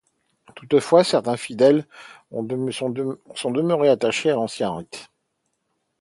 Toutefois, certains fidèles sont demeurés attachés à l'ancien rite.